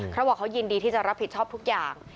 เขาบอกเขายินดีที่จะรับผิดชอบทุกอย่าง